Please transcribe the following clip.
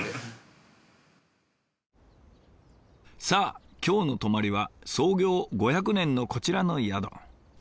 さあ今日の泊まりは創業５００年のこちらの宿。